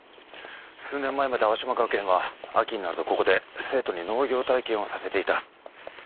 数年前まで青嶋学園は秋になるとここで生徒に農業体験をさせていた。